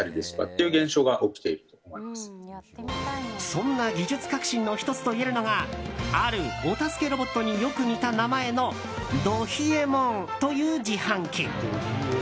そんな技術革新の１つといえるのがあるお助けロボットによく似た名前のど冷えもんという自販機。